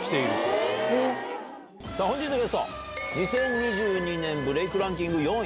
さあ、本日のゲスト、２０２２年ブレイクランキング４位。